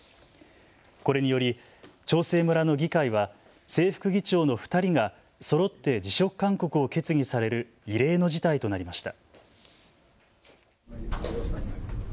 これにより長生村の議会は正副議長の２人がそろって辞職勧告を決議される異例の事態となりました。